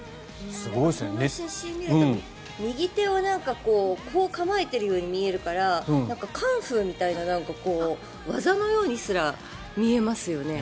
この写真を見ると右手を、こう構えているように見えるからカンフーみたいな技のようにすら見えますよね。